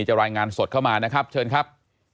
รายงานสดเข้ามานะครับเชิญครับ